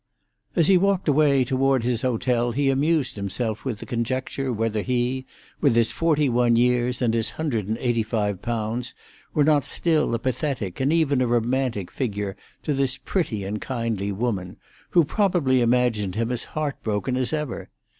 As he walked away toward his hotel he amused himself with the conjecture whether he, with his forty one years and his hundred and eighty five pounds, were not still a pathetic and even a romantic figure to this pretty and kindly woman, who probably imagined him as heart broken as ever.